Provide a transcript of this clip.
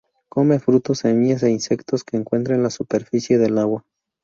Come frutos, semillas e insectos que encuentra en la superficie del agua.